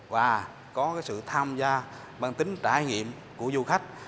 và có cái sự tham gia bằng tính trải nghiệm của du khách